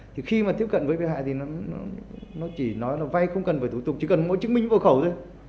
thì khi mà tiếp cận với bị hại thì nó chỉ nói là vay không cần phải thủ tục chỉ cần mỗi chứng minh hộ khẩu thôi